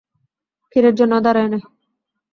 ক্ষীরের জন্যও দারায়নি।